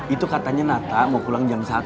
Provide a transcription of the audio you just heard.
itu katanya nata mau pulang jam satu